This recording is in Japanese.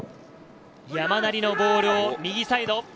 山なりのボールを右サイド。